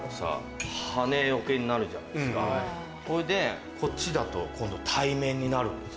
ここは。ほいでこっちだと今度対面になるんです。